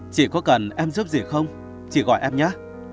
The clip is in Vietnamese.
chị có cần em giúp gì không chị gọi em nhé